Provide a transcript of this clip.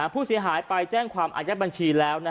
ผู้เสียหายไปแจ้งความอายัดบัญชีแล้ว